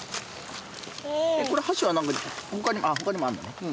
これ箸はあっほかにもあるんだね。